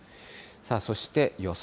そして予想